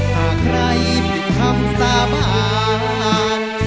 ถ้าใครพี่ทำสระบาด